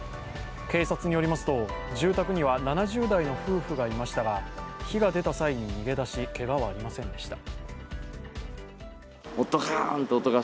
警察によりますと、住宅には７０代の夫婦がいましたが、火が出た際に逃げ出しけがはありませんでした。